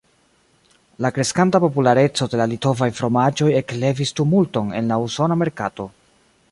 La kreskanta populareco de la litovaj fromaĝoj eklevis tumulton en la usona merkato.